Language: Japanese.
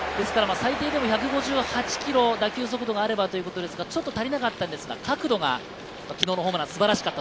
最低でも１５８キロの打球速度があればということですが、少し足りなかったんですが角度が昨日のホームランは素晴らしかった。